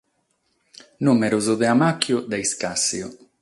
Nùmeros de ammàchiu, de iscàssiu.